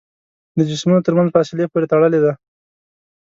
د جسمونو تر منځ فاصلې پورې تړلې ده.